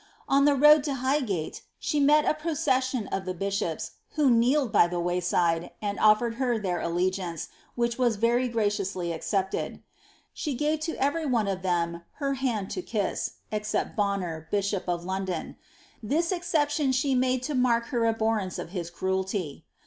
On the road to Highgate the met a procession of the bishops, who kneeled by the way side, and ofiered her their allegiance, which was very ipraciously accepted.' She gave to every one of them her hand to kiss excepting Bonner, bishop of London.' This exception she made to mark her abhorrence of his cruelty.